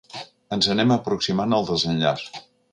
Ens anem aproximant al desenllaç.